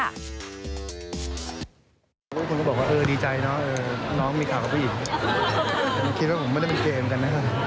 แล้วคุณก็บอกว่าเออดีใจนะน้องมีข่าวกับผู้หญิง